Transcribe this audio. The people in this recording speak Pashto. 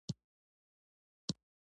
ولې راپکې عامه نه شوه.